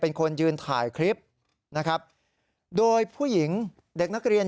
เป็นคนยืนถ่ายคลิปนะครับโดยผู้หญิงเด็กนักเรียน